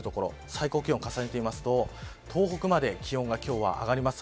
最高気温、重ねてみますと東北まで気温が上がります